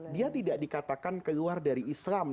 dia tidak dikatakan keluar dari islam